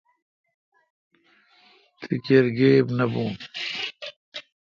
تی کیر گیب نہ بھو۔